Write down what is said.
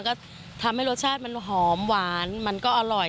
ก็ทำให้รสชาติมันหอมหวานมันก็อร่อย